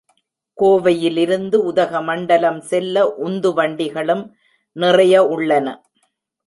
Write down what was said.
கோவையிலிருந்து உதக மண்டலம் செல்ல உந்து வண்டிகளும் நிறைய உள்ளன.